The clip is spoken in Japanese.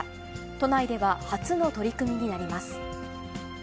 都内では初の取り組みになります。